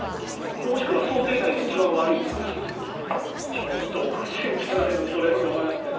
もしくは想定内で一番悪いという話ですかちょっとおかしいんじゃないのそれって思いますけど。